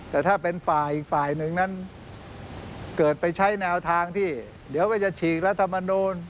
แต่ถ้าเป็นฝ่ายอีกฝ่ายหนึ่งนั้นเกิดไปใช้แนวทางที่เดี๋ยวก็จะฉีกรัฐมนูล